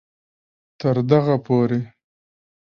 تر دغه پورې